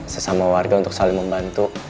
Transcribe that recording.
sesama warga untuk saling membantu